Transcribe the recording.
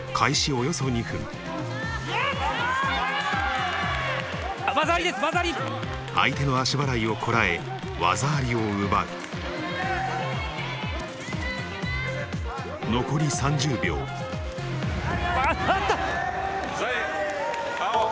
およそ２分相手の足払いをこらえ技ありを奪う残り３０秒技あり！